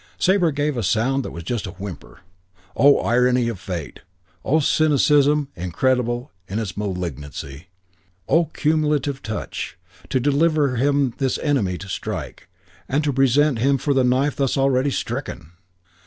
Sabre gave a sound that was just a whimper. Oh, irony of fate! Oh, cynicism incredible in its malignancy! Oh, cumulative touch! To deliver him this his enemy to strike, and to present him for the knife thus already stricken!